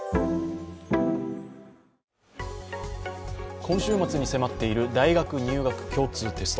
今週末に迫っている大学入学共通テスト。